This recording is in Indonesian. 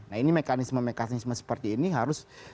nah ini mekanisme mekanisme seperti ini harus